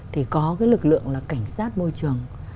thì có cái lực lượng là cảnh sát môi trường